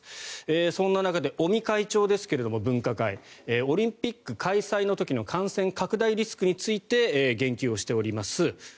そんな中で分科会の尾身会長ですがオリンピック開催の時の感染拡大リスクについて言及をしています。